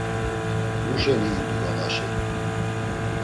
Muşeni idu noğaşe?